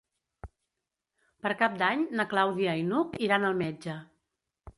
Per Cap d'Any na Clàudia i n'Hug iran al metge.